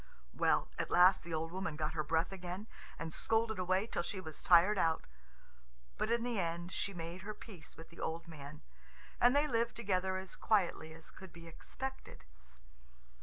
Well, at last the old woman got her breath again, and scolded away till she was tired out. But in the end she made her peace with the old man, and they lived together as quietly as could be expected.